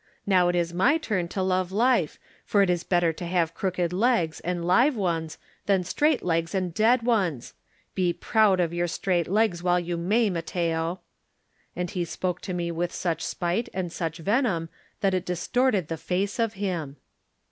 Now it is my turn to love life, for it is better to have crooked legs and live ones than straight legs and dead ones. Be proud of your straight legs while you may, Matteo." And he spoke to me with such spite and such venom that it distorted the face of him.